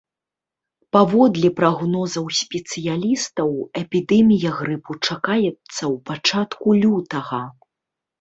Паводле прагнозаў спецыялістаў, эпідэмія грыпу чакаецца ў пачатку лютага.